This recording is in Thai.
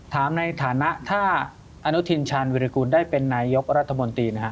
ถามในฐานะถ้าอนุทินชาญวิรากูลได้เป็นนายกรัฐมนตรีนะฮะ